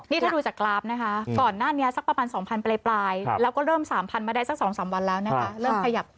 นี่ถ้าดูจากกราฟนะคะก่อนหน้านี้สักประมาณ๒๐๐ปลายแล้วก็เริ่ม๓๐๐๐มาได้สัก๒๓วันแล้วนะคะ